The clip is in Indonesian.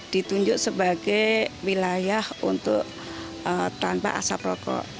ditunjuk sebagai wilayah untuk tanpa asap rokok